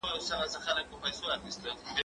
زه اجازه لرم چي وخت ونیسم،